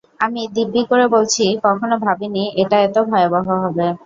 আমি দিব্যি করে বলছি কখনো ভাবিনি এটা এত ভয়াবহ হবে।